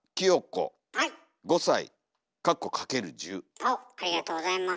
おっありがとうございます。